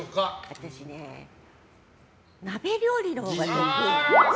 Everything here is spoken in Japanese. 私ね、鍋料理のほうが得意なの。